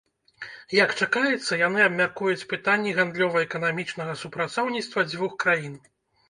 Як чакаецца, яны абмяркуюць пытанні гандлёва-эканамічнага супрацоўніцтва дзвюх краін.